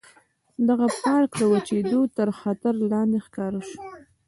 دغه پارک د وچېدو تر خطر لاندې ښکاره شو.